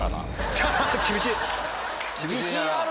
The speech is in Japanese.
厳しい。